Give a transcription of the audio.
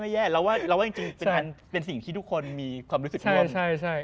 แย่เราว่าจริงเป็นสิ่งที่ทุกคนมีความรู้สึกร่วม